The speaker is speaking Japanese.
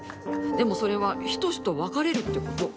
でもそれは仁と別れるってこと。